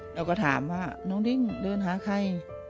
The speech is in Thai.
เราก็ถามว่าน้องดิ้งเดินหาใคร